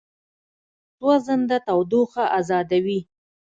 سوځېدنه تودوخه ازادوي.